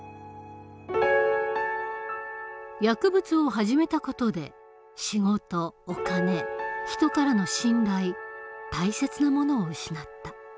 薬物を始めた事で仕事お金人からの信頼大切なものを失った。